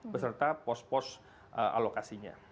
beserta pos pos alokasinya